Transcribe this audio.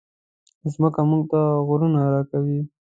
مځکه موږ ته غرونه راکوي.